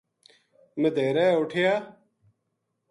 مدیہرے اُٹھیا